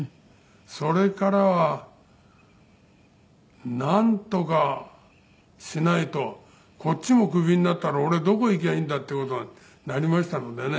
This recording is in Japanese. それからはなんとかしないとこっちもクビになったら俺どこ行きゃいいんだっていう事になりましたのでね